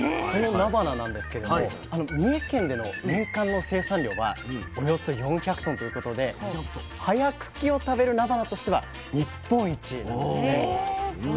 そのなばななんですけれども三重県での年間の生産量はおよそ４００トンということで早茎を食べるなばなとしては日本一なんですね。